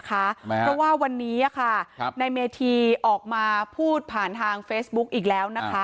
เพราะว่าวันนี้นายเมธีออกมาพูดผ่านทางเฟซบุ๊กอีกแล้วนะคะ